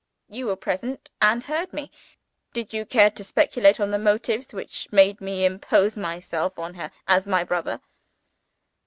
You were present and heard me. Did you care to speculate on the motives which made me impose myself on her as my brother?"